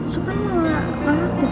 so kan malah aktif